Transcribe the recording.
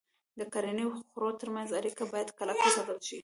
د کرنې او خوړو تر منځ اړیکه باید کلکه وساتل شي.